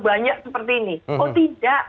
banyak seperti ini oh tidak